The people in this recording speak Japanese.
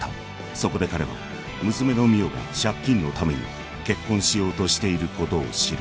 ［そこで彼は娘の未央が借金のために結婚しようとしていることを知る］